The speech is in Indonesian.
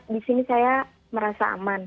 di sini saya merasa aman